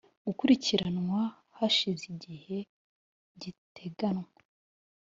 gukurikiranwa hashize igihe giteganywa